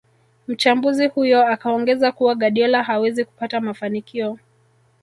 Mchambuzi huyo akaongeza kuwa Guardiola hawezi kupata mafanikio